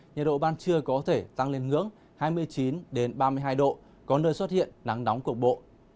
nhiệt độ ban trưa có thể tăng lên ngưỡng hai mươi chín ba mươi hai độ có nơi xuất hiện nắng nóng cục bộ